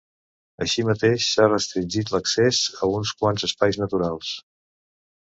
Així mateix, s’ha restringit l’accés a uns quants espais naturals.